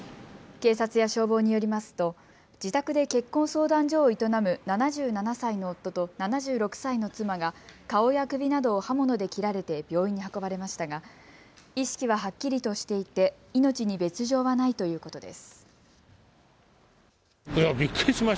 警察や消防によりますと自宅で結婚相談所を営む７７歳の夫と７６歳の妻が顔や首などを刃物で切られて病院に運ばれましたが意識ははっきりとしていて命に別状はないということです。